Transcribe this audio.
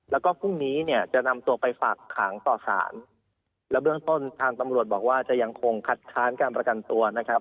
แล้วก็พรุ่งนี้เนี่ยจะนำตัวไปฝากขังต่อสารและเบื้องต้นทางตำรวจบอกว่าจะยังคงคัดค้านการประกันตัวนะครับ